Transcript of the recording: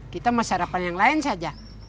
kita mau sarapan yang lain saja